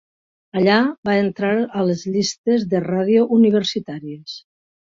Allà va entrar a les llistes de ràdio universitàries.